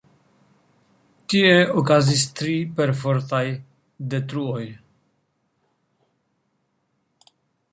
Tie okazis tri perfortaj detruoj.